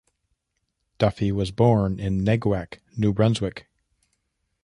Duffie was born in Neguac, New Brunswick.